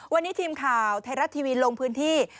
วันนี้ทีมข่าวไทยรัฐทีวีลงพื้นที่